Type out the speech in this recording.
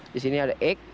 di sini ada egg